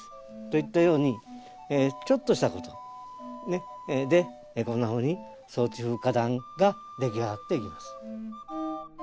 といったようにちょっとしたことでこんなふうに草地風花壇ができ上がっていきます。